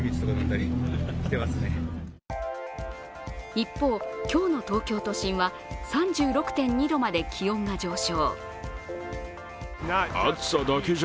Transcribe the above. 一方、今日の東京都心は３６．２度まで気温が上昇。